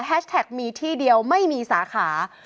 แท็กมีที่เดียวไม่มีสาขา